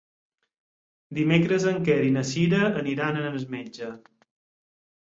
Dimecres en Quer i na Cira aniran al metge.